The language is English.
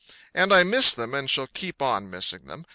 And I miss them and shall keep on missing them.